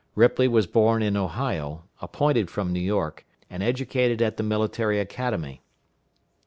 Ripley was born in Ohio, appointed from New York, and educated at the Military Academy.